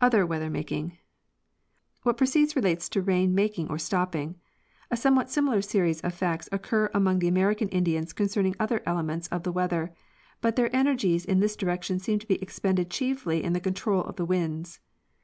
OTHER WEATHER MAKING. What precedes relates to rain making or stopping. A some what similar series of facts occur among the American Indians concerning other elements of the weather, but their energies in this direction seem to be expended chiefly in the control of the winds.